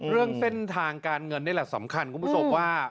เรื่องเส้นทางการเงินนี่แหละสำคัญคุณผู้ชมว่า